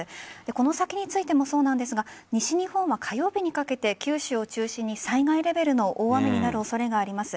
この先についてもそうなんですが西日本は火曜日にかけて九州を中心に災害レベルの大雨になる恐れがあります。